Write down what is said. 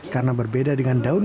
karena berbeda dengan daun